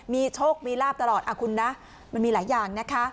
มีโชคมีลาบตลอดคุณนะมันมีหลายอย่างนะคะ